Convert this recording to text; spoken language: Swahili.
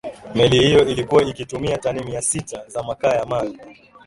meli hiyo ilikuwa ikitumia tani mia sita za makaa ya mawe